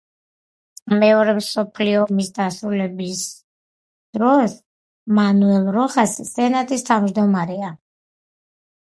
მეორე მსოფლიო ომის დასრულების დროს მანუელ როხასი სენატის თავმჯდომარეა.